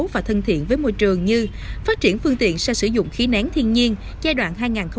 và thân thiện với môi trường như phát triển phương tiện sang sử dụng khí nén thiên nhiên giai đoạn hai nghìn một mươi sáu hai nghìn hai mươi